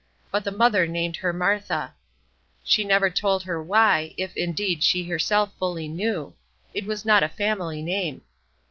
But the mother named her Martha. She never told her why, if, indeed, she herself fully knew; it was not a family name.